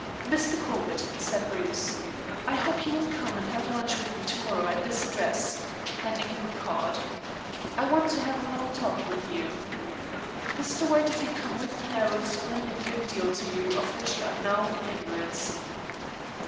"Mr. Corbett," said Bruce, "I hope you will come and have lunch with me to morrow, at this address," handing him a card. "I want to have a long talk with you. Mr. White, if you come with me I will explain a good deal to you of which you are now in ignorance."